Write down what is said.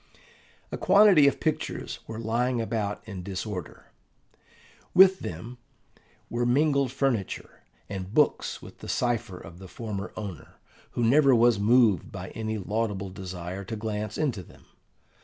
A quantity of pictures were lying about in disorder: with them were mingled furniture, and books with the cipher of the former owner, who never was moved by any laudable desire to glance into them.